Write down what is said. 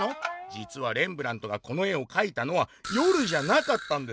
「じつはレンブラントがこの絵を描いたのは夜じゃなかったんです。